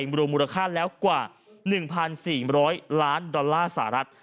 รวมมูลค่าแล้วกว่า๑๔๐๐ล้านดอลลาร์สหรัฐ